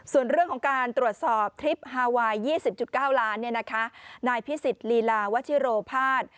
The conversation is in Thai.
ส่วนเรื่องของการตรวจสอบทริปฮาไวน์๒๐๙ล้านนายพิสิทธิ์ลีลาวัชิโรภาษย์